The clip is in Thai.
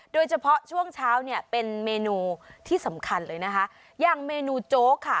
โดยเฉพาะช่วงเช้าเนี่ยเป็นเมนูที่สำคัญเลยนะคะอย่างเมนูโจ๊กค่ะ